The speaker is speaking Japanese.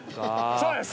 そうです